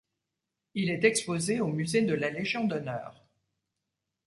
Il est exposé au musée de la Légion d'honneur.